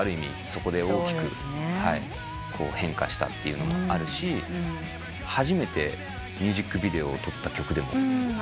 そこで大きく変化したっていうのもあるし初めてミュージックビデオを撮った曲でもある。